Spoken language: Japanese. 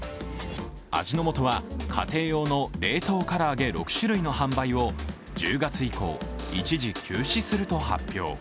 味の素は家庭用の冷凍唐揚げ６種類の販売を１０月以降、一時休止すると発表。